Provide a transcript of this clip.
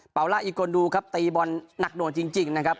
เปาล่าอีกนูครับตีบอลหนักหน่อยจริงจริงนะครับ